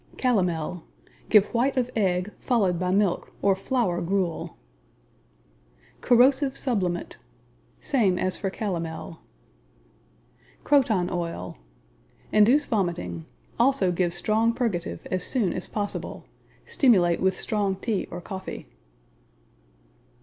Calomel Give white of egg, followed by milk, or flour gruel. Corrosive Sublimate Same as for calomel. Croton Oil Induce vomiting. Also give strong purgative AS SOON AS POSSIBLE. Stimulate with strong tea or coffee.